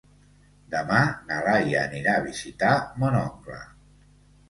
Demà na Laia anirà a visitar mon oncle.